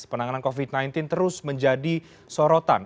penanganan covid sembilan belas terus menjadi sorotan